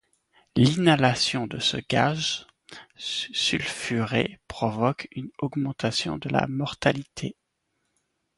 L'inhalation de ces gaz sulfurés provoqua une augmentation de la mortalité.